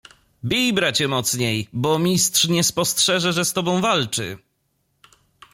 "Bij, bracie, mocniej, bo mistrz nie spostrzeże, że z tobą walczy."